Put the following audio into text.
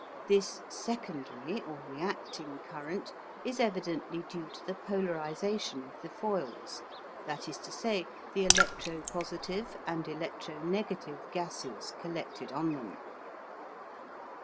This "secondary" or reacting current is evidently due to the polarisation of the foils that is to say, the electro positive and electro negative gases collected on them.